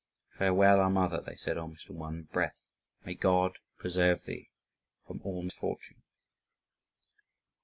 "Farewell, our mother!" they said almost in one breath. "May God preserve thee from all misfortune!"